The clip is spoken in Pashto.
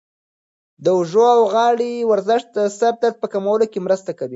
د اوږو او غاړې ورزش د سر درد په کمولو کې مرسته کوي.